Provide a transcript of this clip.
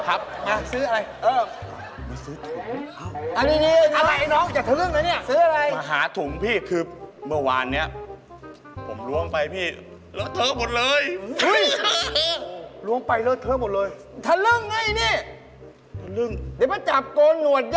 อ้าวออกไปเลยอ้าว